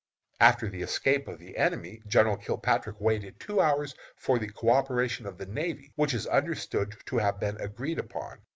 "After the escape of the enemy, General Kilpatrick waited two hours for the coöperation of the navy, which is understood to have been agreed upon.